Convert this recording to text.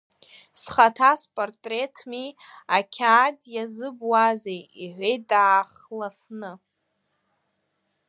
Схаҭа спартреҭми, ақьаад иазыбуазеи, — иҳәеит даахлафны.